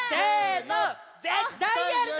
ぜったいやるぞ！